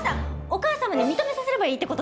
お母様に認めさせればいいって事ですね。